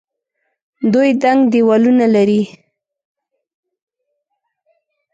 دوی دنګ دیوالونه لري.